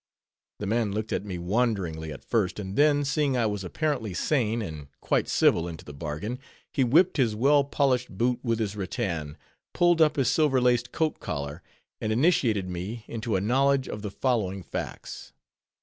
_ The man looked at me wonderingly at first, and then seeing I was apparently sane, and quite civil into the bargain, he whipped his well polished boot with his rattan, pulled up his silver laced coat collar, and initiated me into a knowledge of the following facts.